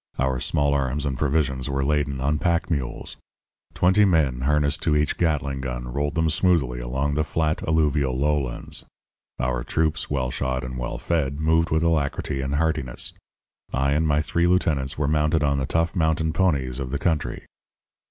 Our small arms and provisions were laden on pack mules. Twenty men harnessed to each Gatling gun rolled them smoothly along the flat, alluvial lowlands. Our troops, well shod and well fed, moved with alacrity and heartiness. I and my three lieutenants were mounted on the tough mountain ponies of the country.